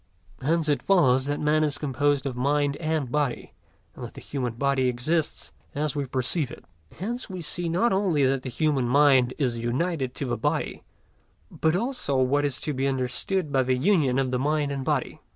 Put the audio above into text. Hence it follows that man is composed of mind and body, and that the human body exists as we perceive it. Hence we see not only that the human mind is united to the body, but also what is to be understood by the union of the mind and body.